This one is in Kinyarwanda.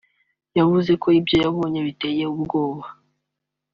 yavuze ko ibyo yabonye biteye ubwoba